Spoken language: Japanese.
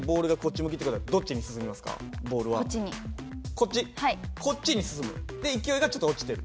こっちに進む？で勢いがちょっと落ちてる。